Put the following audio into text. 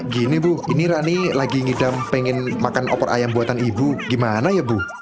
gini bu ini rani lagi ngidam pengen makan opor ayam buatan ibu gimana ya bu